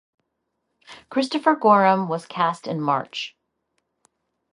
Christopher Gorham was cast in March.